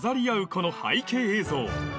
この背景映像